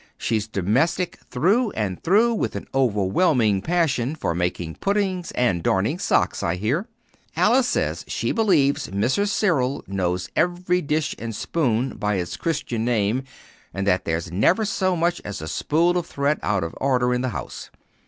She's domestic through and through, with an overwhelming passion for making puddings and darning socks, I hear. Alice says she believes Mrs. Cyril knows every dish and spoon by its Christian name, and that there's never so much as a spool of thread out of order in the house."